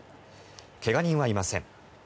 怪我人はいません。